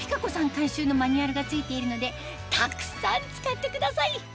監修のマニュアルが付いているのでたくさん使ってください